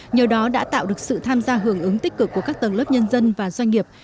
nhờ đó đã tạo được sự tham gia hưởng ứng tích cực của các tầng lớp nhân dân và doanh nghiệp